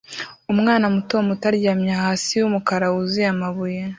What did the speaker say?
Umwana muto muto aryamye hasi yumukara wuzuye amabuye